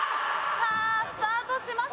さあスタートしました。